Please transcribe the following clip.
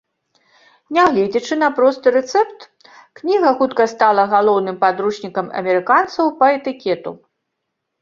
Нягледзячы на просты рэцэпт, кніга хутка стала галоўным падручнікам амерыканцаў па этыкету.